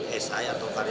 memecahkan rekor muri